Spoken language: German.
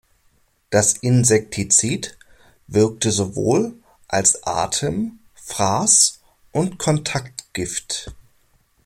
Das Insektizid wirkte sowohl als Atem-, Fraß- und Kontaktgift.